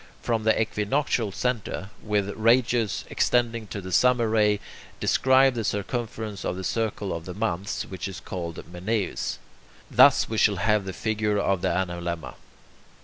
From the equinoctial centre, with a radius extending to the summer ray, describe the circumference of the circle of the months, which is called Menaeus. Thus we shall have the figure of the analemma.